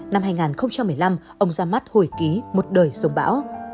năm hai nghìn một mươi năm ông ra mắt hồi ký một đời sống bão